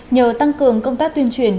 nhờ tăng cường công tác tuyên truyền